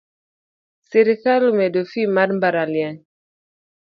Sirkal omedo fees mar mbalariany.